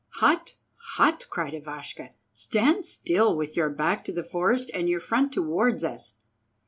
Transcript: "Hut, hut," cried Ivashka, "stand still with your back to the forest and your front towards us!"